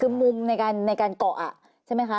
คือมุมในการเกาะใช่ไหมคะ